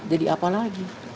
jadi apa lagi